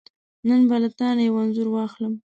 نن به له تانه یو انځور واخلم .